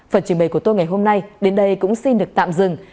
phần trình bày của tôi ngày hôm nay đến đây cũng xin được tạm dừng